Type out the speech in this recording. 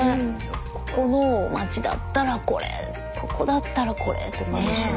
ここの街だったらこれここだったらこれってことでしょ？